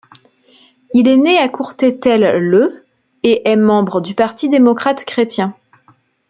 Il est né à Courtételle le et est membre du Parti démocrate-chrétien.